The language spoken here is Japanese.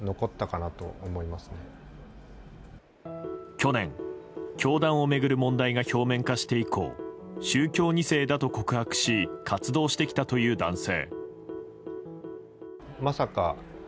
去年、教団を巡る問題が表面化して以降宗教２世だと告白し活動してきたという男性。